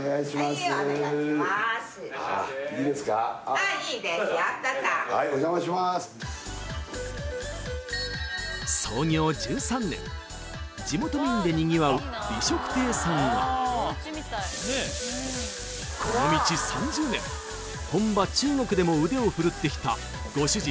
はいいいですよはいおじゃまします地元民でにぎわう美食亭さんはこの道３０年本場中国でも腕を振るってきたご主人